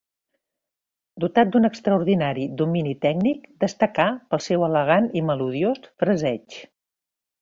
Dotat d'un extraordinari domini tècnic, destacà pel seu elegant i melodiós fraseig.